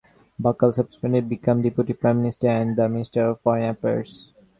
Baykal subsequently became Deputy Prime Minister and the minister of Foreign Affairs.